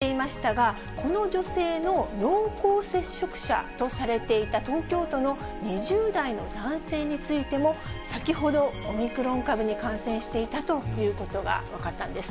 オミクロン株に感染していましたが、この女性の濃厚接触者とされていた東京都の２０代の男性についても、先ほど、オミクロン株に感染していたということが分かったんです。